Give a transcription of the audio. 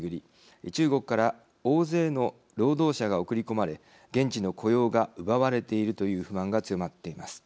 中国から大勢の労働者が送り込まれ現地の雇用が奪われているという不満が強まっています。